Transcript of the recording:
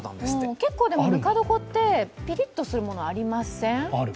結構でも、ぬか床ってぴりっとするものありません？